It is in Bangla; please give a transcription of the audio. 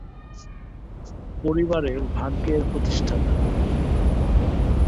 পরিবারের ভাগ্যের প্রতিষ্ঠাতা।